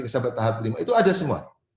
sampai tahap lima itu ada semua